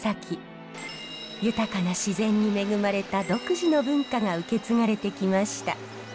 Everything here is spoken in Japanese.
豊かな自然に恵まれた独自の文化が受け継がれてきました。